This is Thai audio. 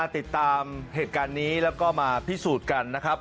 ติดตามเหตุการณ์นี้แล้วก็มาพิสูจน์กันนะครับ